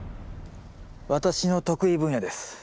私の得意分野です。